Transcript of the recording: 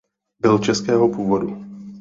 Byl českého původu.